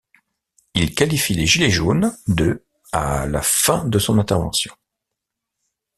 Il qualifie les Gilets jaunes de à la fin de son intervention.